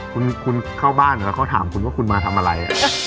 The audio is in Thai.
คุณเข้าบ้านแล้วเขาถามคุณว่าคุณมาทำอะไร